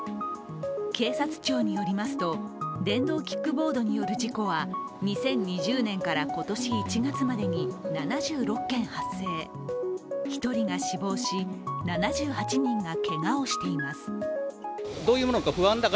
警察庁によりますと、電動キックボードによる事故は２０２０年から今年１月までに７６件発生１人が死亡し、７８人がけがをしています。